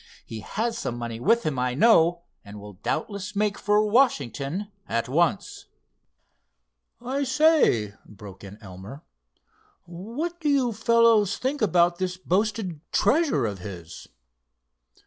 "He has some money with him, I know, and will doubtless make for Washington at once." "I say," broke in Elmer; "what do you fellows think about this boasted treasure of his?"